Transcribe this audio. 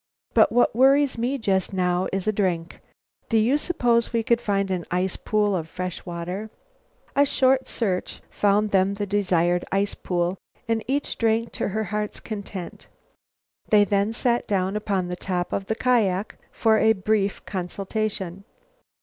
But what worries me just now is a drink. Do you suppose we could find an ice pool of fresh water?" A short search found them the desired pool, and each drank to her heart's content. They then sat down upon the top of the kiak for a brief consultation.